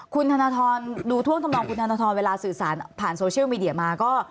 คุณธนทรอนดูท่วงท่านธนทรครับเวลาสื่อสารผ่านโซเชียลมีเดียมา